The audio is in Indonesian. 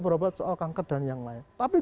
berobat soal kanker dan yang lain tapi